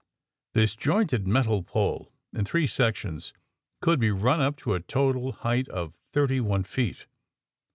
This jointed metal pole, in three sections, could be run up to a total height of thirty one feet.